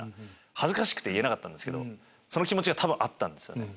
恥ずかしくて言えなかったけどその気持ちがあったんですよね。